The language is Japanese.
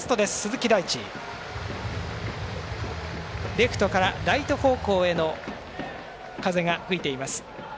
レフトからライト方向への風が吹いています。